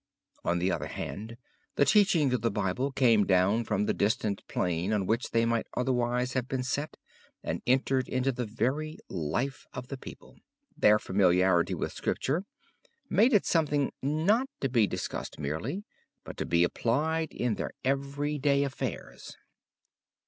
On the other hand the teachings of the Bible came down from the distant plane on which they might otherwise have been set and entered into the very life of the people. Their familiarity with scripture made it a something not to be discussed merely, but to be applied in their everyday affairs.